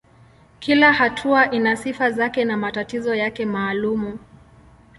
Kila hatua ina sifa zake na matatizo yake maalumu.